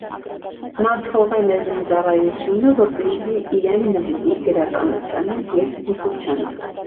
Նա թողել է զինծառայությունը, որպեսզի իրեն նվիրի գրականությանը և գիտությանը։